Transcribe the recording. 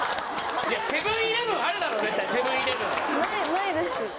ないです。